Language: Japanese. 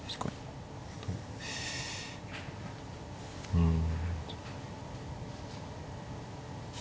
うん。